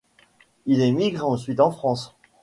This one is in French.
Il émigre ensuite en France.